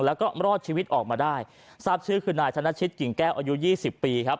แล้วก็รอดชีวิตออกมาได้ทราบชื่อคือนายธนชิตกิ่งแก้วอายุยี่สิบปีครับ